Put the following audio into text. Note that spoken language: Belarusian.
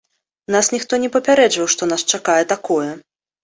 Нас ніхто не папярэджваў, што нас чакае такое.